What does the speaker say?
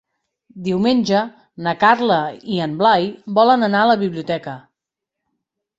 Diumenge na Carla i en Blai volen anar a la biblioteca.